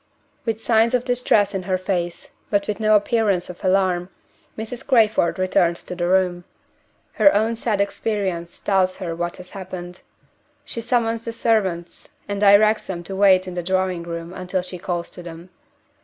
With signs of distress in her face, but with no appearance of alarm, Mrs. Crayford returns to the room. Her own sad experience tells her what has happened. She summons the servants and directs them to wait in the drawing room until she calls to them.